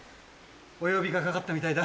お呼びが掛かったみたいだ。